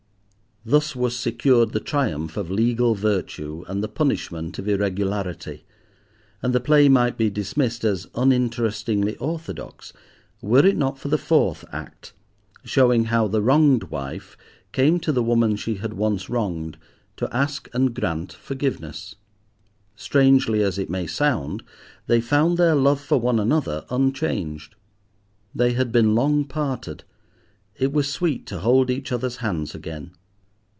Thus was secured the triumph of legal virtue and the punishment of irregularity, and the play might be dismissed as uninterestingly orthodox were it not for the fourth act, showing how the wronged wife came to the woman she had once wronged to ask and grant forgiveness. Strangely as it may sound, they found their love for one another unchanged. They had been long parted: it was sweet to hold each other's hands again.